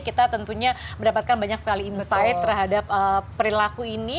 kita tentunya mendapatkan banyak sekali insight terhadap perilaku ini